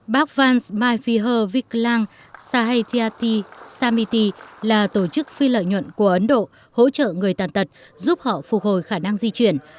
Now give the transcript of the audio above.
bác vance maiphiho viklang sahayati samiti là tổ chức phi lợi nhuận của ấn độ hỗ trợ người tàn tật giúp họ phục hồi khả năng di chuyển